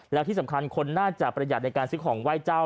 แล้วที่สำคัญคนน่าจะประหยัดในการซื้อของไหว้เจ้า